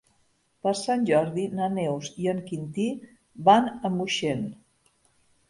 Per Sant Jordi na Neus i en Quintí van a Moixent.